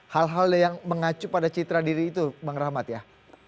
hal hal yang mengacu pada citra diri itu bang rahmat ya